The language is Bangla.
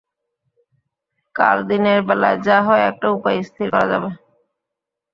কাল দিনের বেলায় যা হয় একটা উপায় স্থির করা যাবে।